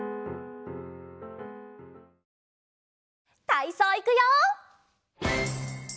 たいそういくよ！